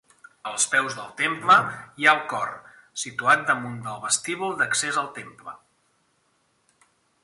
Als peus del temple hi ha el cor, situat damunt del vestíbul d'accés al temple.